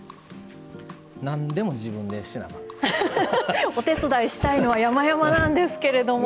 何でも自分でせなあかんです。お手伝いしたいのはやまやまなんですけれども。